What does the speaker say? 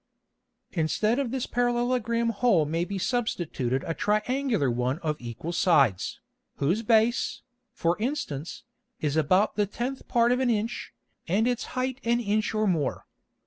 Instead of this Parallelogram Hole may be substituted a triangular one of equal Sides, whose Base, for instance, is about the tenth Part of an Inch, and its Height an Inch or more.